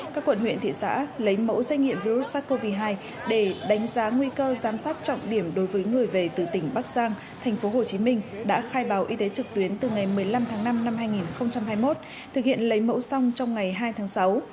các quận huyện thị xã lấy mẫu xét nghiệm virus sars cov hai để đánh giá nguy cơ giám sát trọng điểm đối với người về từ tỉnh bắc giang tp hcm đã khai báo y tế trực tuyến từ ngày một mươi năm tháng năm năm hai nghìn hai mươi một thực hiện lấy mẫu xong trong ngày hai tháng sáu